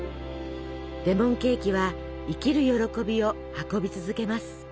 レモンケーキは生きる喜びを運び続けます。